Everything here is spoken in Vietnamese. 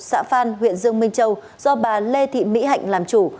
xã phan huyện dương minh châu do bà lê thị mỹ hạnh làm chủ